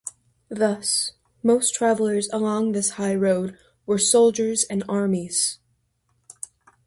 Thus, most travelers along this high road were soldiers and armies.